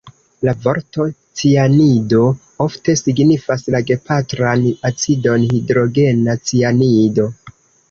La vorto "cianido" ofte signifas la gepatran acidon, hidrogena cianido.